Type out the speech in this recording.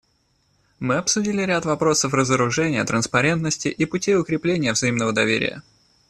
Мы обсудили ряд вопросов разоружения, транспарентности и путей укрепления взаимного доверия.